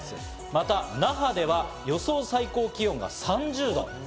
また那覇では予想最高気温が３０度。